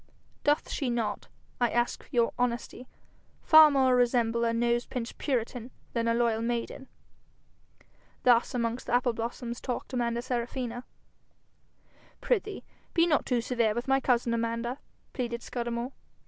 Doth she not, I ask your honesty, far more resemble a nose pinched puritan than a loyal maiden?' Thus amongst the apple blossoms talked Amanda Serafina. 'Prithee, be not too severe with my cousin, Amanda,' pleaded Scudamore.